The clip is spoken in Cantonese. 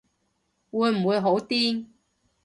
會唔會好癲